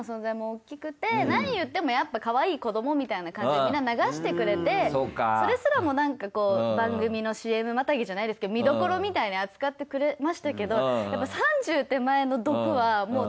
何を言ってもやっぱかわいい子どもみたいな感じでみんな流してくれてそれすらもなんかこう番組のＣＭまたぎじゃないですけど見どころみたいに扱ってくれましたけど。